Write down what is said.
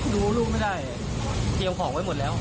ดูลูกไม่ได้เตรียมของไว้หมดแล้ว